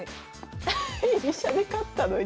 居飛車で勝ったのに。